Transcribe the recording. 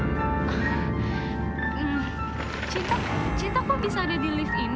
jadi tadi cinta beli kue ulang tahun